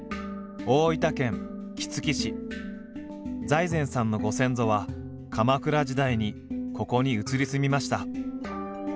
財前さんのご先祖は鎌倉時代にここに移り住みました。